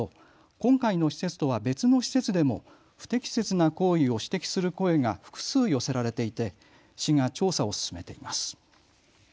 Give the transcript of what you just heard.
今回の施設とは別の施設でも不適切な行為を指摘する声が複数、寄せられていて市が調査を進めています。